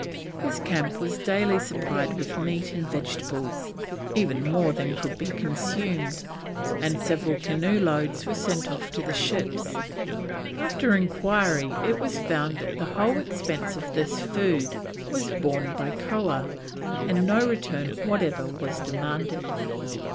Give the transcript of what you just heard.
This camp was daily supplied with meat and vegetables, even more than could be consumed, and several canoe loads were sent off to the ships. After enquiry it was found that the whole expense of this food was borne by Koah, and no return whatever was demanded.